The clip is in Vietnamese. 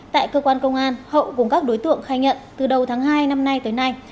tại cơ quan công an hậu cùng các đối tượng khai nhận từ đầu tháng hai năm nay tới nay